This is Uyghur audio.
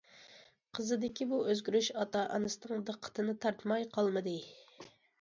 قىزىدىكى بۇ ئۆزگىرىش ئاتا- ئانىسىنىڭ دىققىتىنى تارتماي قالمىدى.